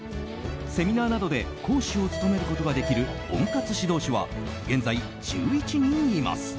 セミナーなどで講師を務めることができる温活指導士は現在１１人います。